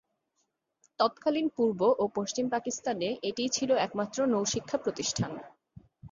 তৎকালীন পূর্ব ও পশ্চিম পাকিস্তানে এটিই ছিল একমাত্র নৌ শিক্ষা প্রতিষ্ঠান।